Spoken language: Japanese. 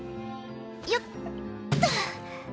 よっと。